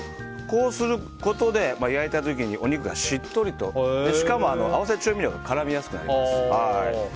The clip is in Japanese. こうすることで焼いた時に、お肉がしっとりとしかも、合わせ調味料が絡みやすくなります。